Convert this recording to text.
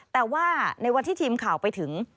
แต่ว่าในวันที่ทีมข่าวไปถึง